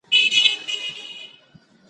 زه له تجربې زده کړه کوم.